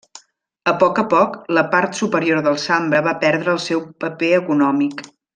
A poc a poc, la part superior del Sambre va perdre el seu paper econòmic.